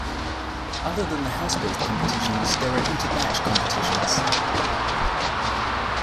Other than the house-based competitions, there are inter-batch competitions.